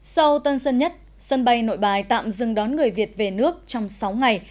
sau tân sân nhất sân bay nội bài tạm dừng đón người việt về nước trong sáu ngày